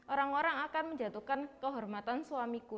orang orang akan menjatuhkan kehormatan suamiku